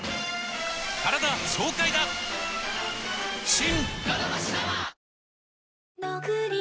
新！